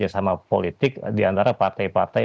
sama politik di antara partai partai